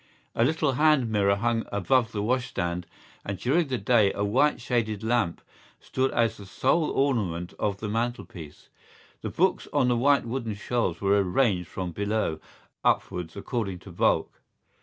A little hand mirror hung above the washstand and during the day a white shaded lamp stood as the sole ornament of the mantelpiece. The books on the white wooden shelves were arranged from below upwards according to bulk.